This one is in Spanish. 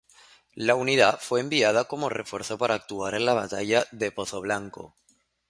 La unidad fue enviada como refuerzo para actuar en la batalla de Pozoblanco.